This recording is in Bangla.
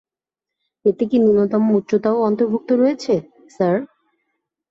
এতে কি ন্যূনতম উচ্চতাও অন্তর্ভূক্ত রয়েছে, স্যার?